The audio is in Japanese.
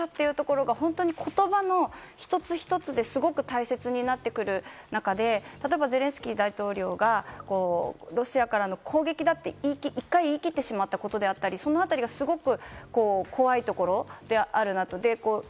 情報の正確さというところは本当に言葉の一つ一つですごく大切になってくる中で例えばゼレンスキー大統領がロシアからの攻撃だと一回言い切ってしまったことであったり、そのあたりがすごく怖いところであるなと。